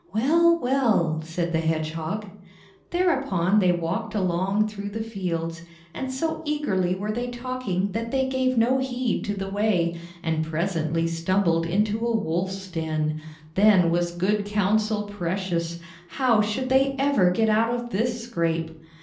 "Well, well!" said the hedgehog. Thereupon they walked along through the fields, and so eagerly were they talking that they gave no heed to the way, and presently stumbled into a wolf's den. Then was good counsel precious! How should they ever get out of this scrape?